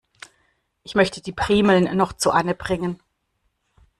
Ich möchte die Primeln noch zu Anne bringen.